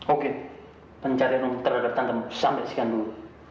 oke cari om terhadap tante om sampai siang dulu